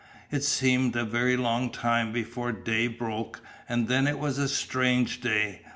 It seemed a very long time before day broke, and then it was a strange day.